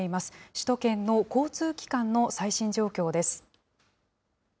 首都圏の交通機関の最新状況です。